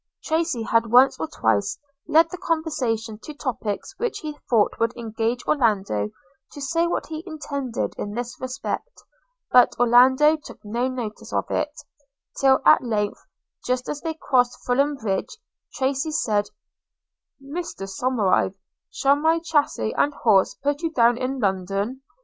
Tracy had once or twice led the conversation to topics which he thought would engage Orlando to say what he intended in this respect; but Orlando took no notice of it, till, at length, just as they crossed Fulham Bridge, Tracy said, 'Mr Somerive, shall my chaise and horses put you down in London?